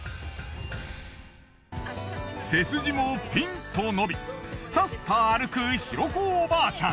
背筋もピンと伸びスタスタ歩く尋子おばあちゃん。